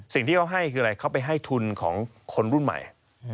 สิ่งที่เขาให้คืออะไรเขาไปให้ทุนของคนรุ่นใหม่